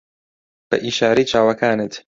بە ئیشارەی چاوەکانت